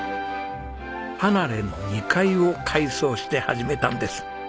離れの２階を改装して始めたんです。